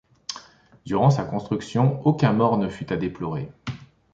Durant sa construction aucun mort ne fut à déplorer.